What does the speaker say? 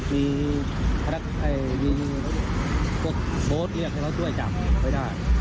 มีพระราชากรโบสถ์เรียกให้เราช่วยจับไม่ได้